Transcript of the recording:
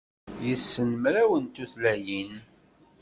Issen mraw n tutlayin.